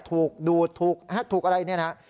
ถูกดูดถูกอะไรเนี่ยนะฮะ